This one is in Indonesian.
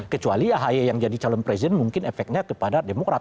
kecuali ahy yang jadi calon presiden mungkin efeknya kepada demokrat